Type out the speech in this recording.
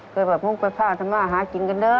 เคยแบบมึงไปฝ่าทำงานหาจริงกันเด้อ